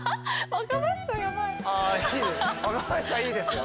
若林さん若林さんいいですよ。